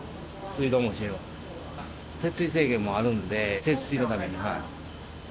取水制限もあるので、節水のために。